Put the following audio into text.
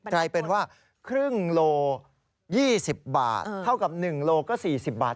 กลายเป็นว่าครึ่งโล๒๐บาทเท่ากับ๑โลก็๔๐บาท